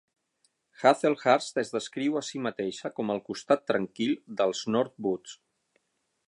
Hazelhurst es descriu a si mateixa com el costat tranquil dels North Woods.